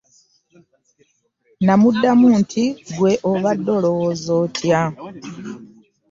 Namuddamu nti, “Ggwe obadde olowooza otya?”